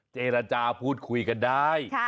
เจรจาพูดคุยกันได้